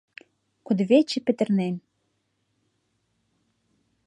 Кудывече петырнен.